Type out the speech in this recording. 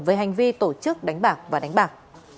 về hành vi tổ chức đánh bạc và đánh bạc